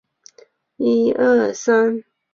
随署云贵总督。